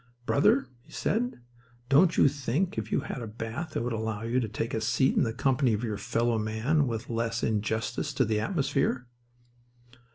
"Brother," he said, "don't you think if you had a bath it would allow you to take a seat in the company of your fellow man with less injustice to the atmosphere."